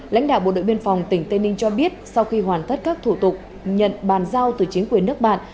lãnh đạo bộ đội biên phòng tỉnh tây ninh cho biết sau khi hoàn thất các thủ tục nhận bàn giao từ chính quyền nước bạn